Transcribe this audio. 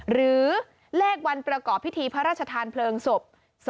หรือเลขวันประกอบพิธีพระราชทานเพลิงศพ